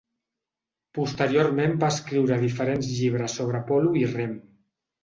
Posteriorment va escriure diferents llibres sobre polo i rem.